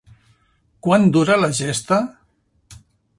Quant dura la gesta?